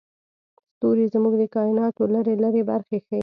ستوري زموږ د کایناتو لرې لرې برخې ښيي.